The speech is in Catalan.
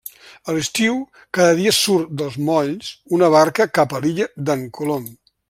A l'estiu, cada dia surt dels molls una barca cap a l'illa d'en Colom.